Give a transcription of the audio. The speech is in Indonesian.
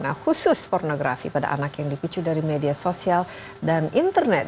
nah khusus pornografi pada anak yang dipicu dari media sosial dan internet